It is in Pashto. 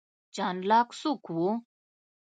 جان لاک څوک و؟